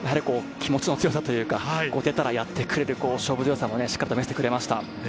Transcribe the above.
気持ちの強さというか、出たらやってくれる勝負強さも見せてくれました。